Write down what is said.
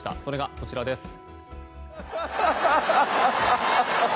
それが、こちらです。